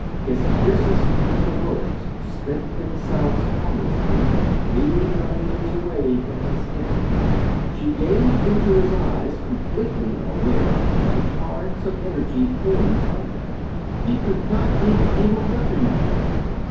His fiercest mental bolts spent themselves harmlessly three millimeters away from her skin; she gazed into his eyes completely unaware of the torrents of energy pouring from them. He could not even aim a weapon at her!